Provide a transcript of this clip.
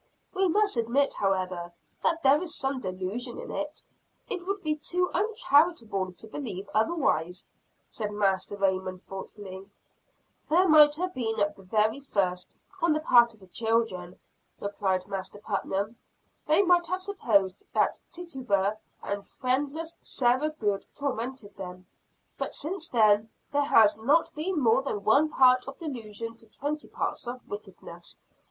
"We must admit, however, that there is some delusion in it. It would be too uncharitable to believe otherwise," said Master Raymond thoughtfully. "There may have been at the very first on the part of the children," replied Master Putnam. "They might have supposed that Tituba and friendless Sarah Good tormented them but since then, there has not been more than one part of delusion to twenty parts of wickedness.